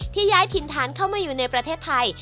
ย้ายถิ่นฐานเข้ามาอยู่ในประเทศไทย